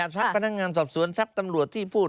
ซักพนักงานสอบส่วนซักตำรวจที่พูด